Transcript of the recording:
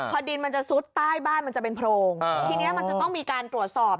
พอดินมันจะซุดใต้บ้านมันจะเป็นโพรงทีนี้มันจะต้องมีการตรวจสอบ